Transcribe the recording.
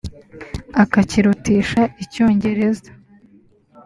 akakirutisha icyongereza